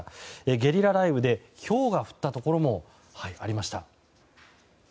ゲリラ雷雨で、ひょうが降ったところもありました。